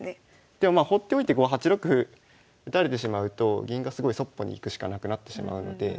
でもまあほっといてこう８六歩打たれてしまうと銀がすごいそっぽに行くしかなくなってしまうので。